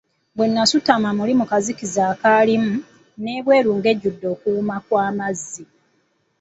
Bwe nasutama muli mu kazikiza akalimu, n'ebweru ng'ejjudde okuwuuma kw'amazzi.